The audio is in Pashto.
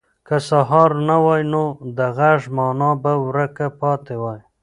که سهار نه وای، نو د غږ مانا به ورکه پاتې وای.